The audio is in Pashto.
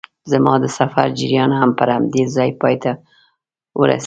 زما د سفر جریان هم پر همدې ځای پای ته ورسېد.